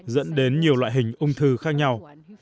dẫn đến nhiều loại hình ung thư khác nhau